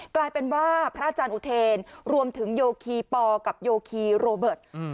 กลายเป็นว่าพระอาจารย์อุเทนรวมถึงโยคีปอกับโยคีโรเบิร์ต